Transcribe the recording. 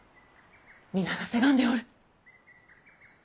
皆がせがんでおる！